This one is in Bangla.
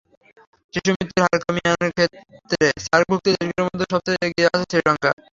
শিশুমৃত্যুর হার কমিয়ে আনার ক্ষেত্রে সার্কভুক্ত দেশগুলোর মধ্যে সবচেয়ে এগিয়ে আছে শ্রীলঙ্কা।